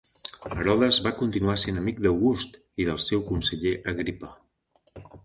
Herodes va continuar sent amic d'August i del seu conseller Agripa.